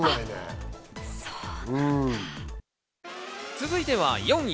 続いては４位。